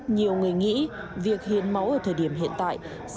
nhiều người nghĩ việc hiến máu ở thời điểm này là một lý do để tổ chức các cơ quan đơn vị